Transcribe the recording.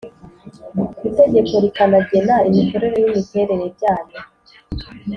Itegeko rikanagena imikorere n imiterere byayo